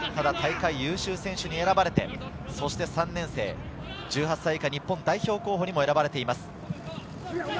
大会優秀選手に選ばれて、そして３年生、１８歳以下日本代表候補にも選ばれています。